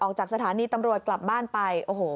ออกจากสถานีตำรวจกลับบ้านไปโอ้โห